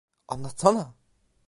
Anlatsana!